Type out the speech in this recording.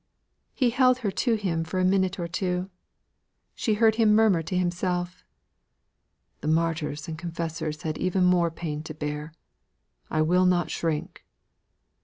He held her to him for a minute or two. She heard him murmur to himself, "The martyrs and confessors had even more pain to bear I will not shrink."